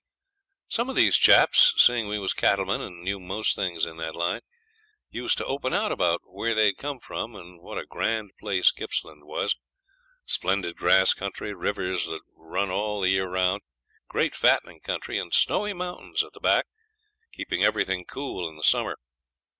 Some of these chaps, seeing we was cattle men and knew most things in that line, used to open out about where they'd come from, and what a grand place Gippsland was splendid grass country, rivers that run all the year round, great fattening country; and snowy mountains at the back, keeping everything cool in the summer.